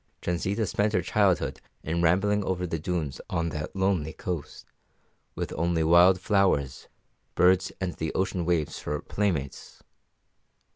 Transita spent her childhood in rambling over the dunes on that lonely coast, with only wild flowers, birds, and the ocean waves for playmates.